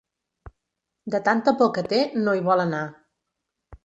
De tanta por que té, no hi vol anar.